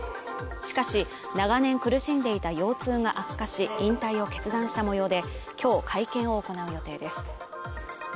しかし、長年苦しんでいた腰痛が悪化し、引退を決断した模様で、今日会見を行う予定です。